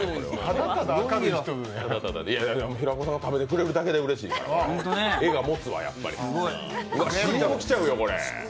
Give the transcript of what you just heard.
平子さんが食べてくれるだけでうれしいから、画がもつわ、やっぱり、ＣＭきちゃうよ、これ。